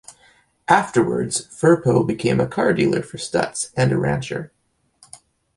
Afterwards, Firpo became a car-dealer for Stutz and a rancher.